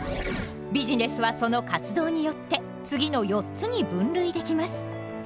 ビジネスはその活動によって次の４つに分類できます。